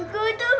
guntur mau pulang